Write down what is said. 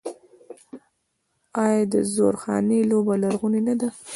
آیا د زورخانې لوبه لرغونې نه ده؟